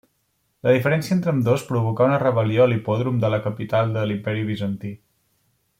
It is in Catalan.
La diferència entre ambdós provocà una rebel·lió a l'hipòdrom de la capital de l'Imperi bizantí.